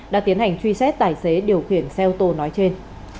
đã tiến hành truy xét tài xế điều khiển xe ô tô nói trên